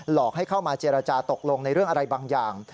อกให้เข้ามาเจรจาตกลงในเรื่องอะไรบางอย่าง